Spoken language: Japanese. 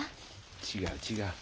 違う違う。